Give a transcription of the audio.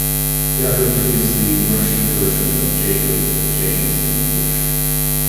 Yakov is the Russian version of Jacob and James in English.